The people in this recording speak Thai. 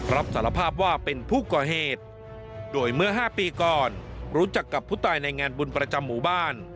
รับสารภาพว่าเป็นผู้ก่อเหตุโดยเมื่อ๕ปีก่อนรู้จักกับผู้ตายในงานบุญประจำหมู่บ้าน